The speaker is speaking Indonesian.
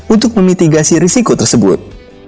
untuk memitigasi risiko tersebut